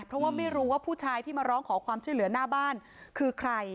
เพราะว่าไม่รู้ว่าผู้ชายที่มาร้องขอความช่วยเหลือหน้าบ้านคือใคร